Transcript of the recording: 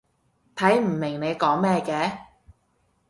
睇唔明你講咩嘅